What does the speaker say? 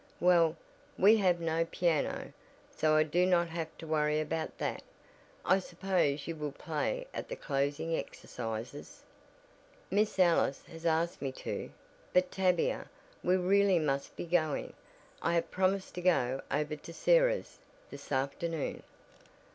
"Well, we have no piano, so I do not have to worry about that. I suppose you will play at the closing exercises?" "Miss Ellis has asked me to. But Tavia, we really must be going. I have promised to go over to Sarah's this afternoon."